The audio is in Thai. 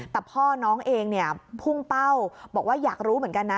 แต่พ่อน้องเองเนี่ยพุ่งเป้าบอกว่าอยากรู้เหมือนกันนะ